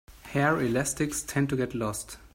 Hair elastics tend to get lost.